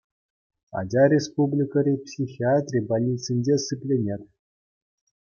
Ача республикӑри психиатри больницинче сипленет.